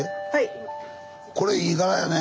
これいい柄やね。